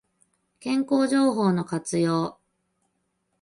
健康情報の活用